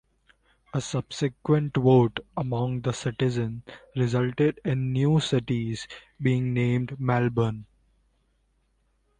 A subsequent vote among the citizens resulted in the new cities being named Melbourne.